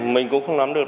mình cũng không nắm được